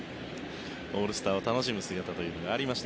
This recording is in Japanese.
オールスターを楽しむ姿というのがありました